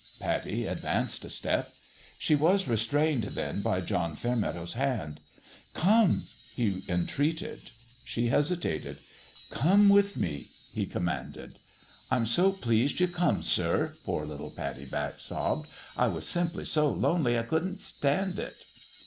Pattie advanced a step. She was restrained, then, by John Fairmeadow's hand. " Come !" he entreated. She hesitated. " Come with me !" he commanded. " I'm so pleased you come, sir," poor little Pattie Batch sobbed. " I was simply so lonely I couldn't stand it."